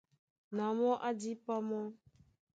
Na mɔ́ á dípá mɔ́.